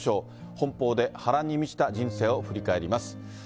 奔放で波乱に満ちた人生を振り返ります。